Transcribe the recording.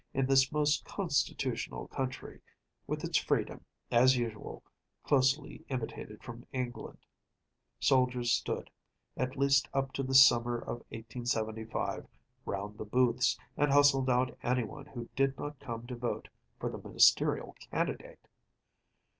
In this most constitutional country, with its freedom, as usual, closely imitated from England, soldiers stood, at least up to the summer of 1875, round the booths, and hustled out any one who did not come to vote for the Ministerial candidate.